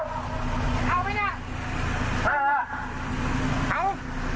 มันยังไม่เกิดไหมครับนะครับ